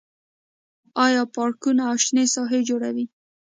آیا پارکونه او شنه ساحې جوړوي؟